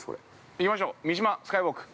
行きましょう、三島スカイウォーク。